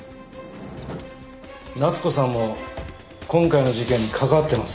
夏子さんも今回の事件に関わっています。